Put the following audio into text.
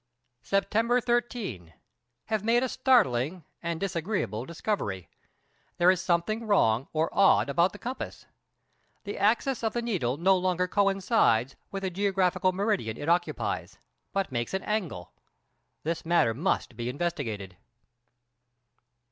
September 13. Have made a startling and disagreeable discovery. There is something wrong or odd about the compass. The axis of the needle no longer coincides with the geographical meridian it occupies but makes an angle. This matter must be investigated.